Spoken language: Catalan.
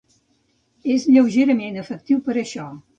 És lleugerament efectiu per a això.